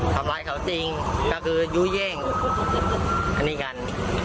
ทำร้ายเขาจริงก็คือยื้อแย่งอันนี้กัน